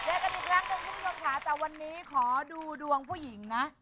เจอกันอีกครั้งคุณคุณลงทะแต่วันนี้ขอดูดวงผู้หญิงนะ